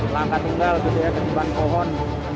langkah tinggal kejadian kejadian pohon